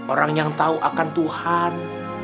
orang yang tahu akan tuhan